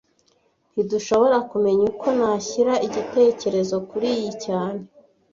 Ntidushobora kumenya uko nashyira igitekerezo kuriyi cyane